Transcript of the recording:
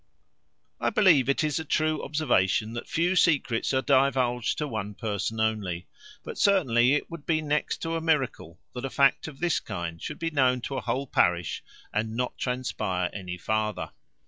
I believe it is a true observation, that few secrets are divulged to one person only; but certainly, it would be next to a miracle that a fact of this kind should be known to a whole parish, and not transpire any farther.